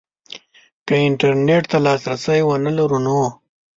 که انترنټ ته لاسرسی ونه لرو نو